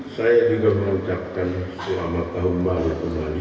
saya juga mengucapkan selamat tahun baru kembali